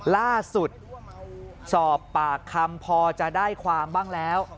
สอบปากคำพอจะได้ความบ้างแล้ว